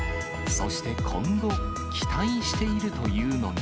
そして今後、期待しているというのが。